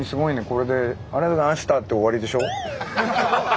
これで「ありがとうございました」って終わりでしょ？